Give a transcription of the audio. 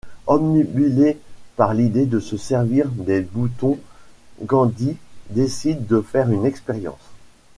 Obnubilée par l'idée de se servir des boutons, Gwendy décide de faire une expérience.